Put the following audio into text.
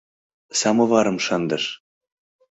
Самоварым шындыш.